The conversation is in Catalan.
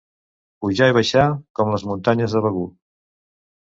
Pujar i baixar, com les muntanyes de Begur.